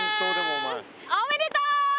おめでとう！